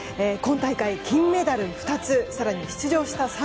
今大会、金メダル２つ更に出場した